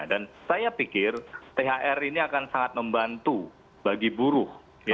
dan saya pikir thr ini akan sangat membantu bagi buruh